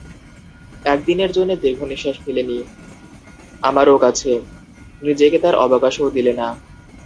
একদিনের জন্যে দীর্ঘনিশ্বাস ফেলে নি আমারও কাছে, নিজেকে তার অবকাশও দিলে না।